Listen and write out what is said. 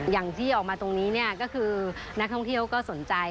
อย่างที่ออกมาตรงนี้เนี่ยก็คือนักท่องเที่ยวก็สนใจ